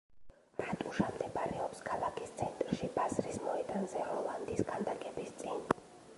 რატუშა მდებარეობს ქალაქის ცენტრში, ბაზრის მოედანზე, როლანდის ქანდაკების წინ.